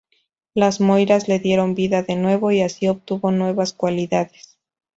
Las moiras le dieron vida de nuevo y así obtuvo nuevas cualidades.